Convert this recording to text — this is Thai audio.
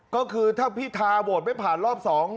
ก็คือถ้าพิธาโหวตไม่ผ่านรอบ๒